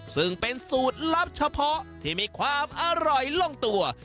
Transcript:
ซึ่งเป็นสูตรลับเฉพาะที่มีความอร่อยลงตัว